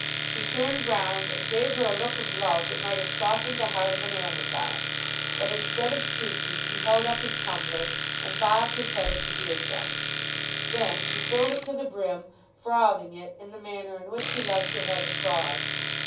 He turned round and gave her a look of love that might have softened the heart of an Amazon; but instead of speaking he held up his tumbler, and bobbed his head at the beer jug. Then she filled it to the brim, frothing it in the manner in which he loved to have it frothed.